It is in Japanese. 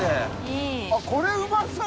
あっこれうまそう！